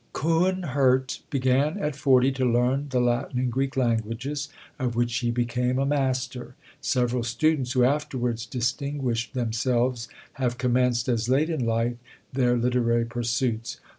Koornhert began at forty to learn the Latin and Greek languages, of which he became a master; several students, who afterwards distinguished themselves, have commenced as late in life their literary pursuits.